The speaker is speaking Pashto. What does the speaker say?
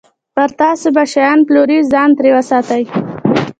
پر تاسو به شیان پلوري، ځان ترې وساتئ.